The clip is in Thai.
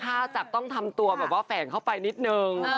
ค่าจักรต้องทำตัวแฝงเข้าไปนิดหนึ่ง